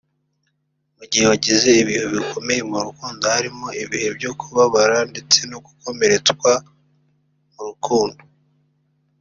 Mu gihe wagize ibihe bikomeye mu rukundo birimo ibihe byo kubabara ndetse no gokomeretswa mu rukundo